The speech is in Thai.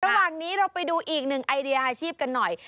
ระหว่างนี้เราไปดูอีกหนึ่งไอเดียอาชีพกันหน่อย